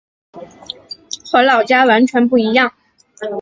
和老家完全不一样